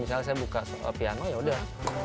misalnya saya buka piano ya udah